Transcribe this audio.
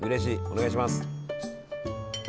お願いします！